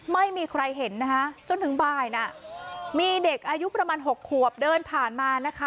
ไม่มีใครเห็นนะคะจนถึงบ่ายน่ะมีเด็กอายุประมาณ๖ขวบเดินผ่านมานะคะ